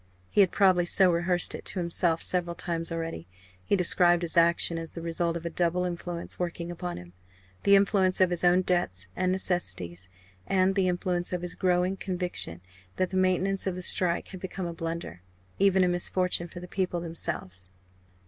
He had probably so rehearsed it to himself several times already. He described his action as the result of a double influence working upon him the influence of his own debts and necessities, and the influence of his growing conviction that the maintenance of the strike had become a blunder, even a misfortune for the people themselves.